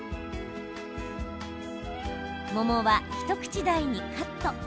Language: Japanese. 桃は、一口大にカット。